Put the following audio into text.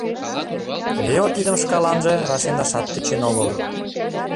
Лео тидым шкаланже рашемдашат тӧчен огыл.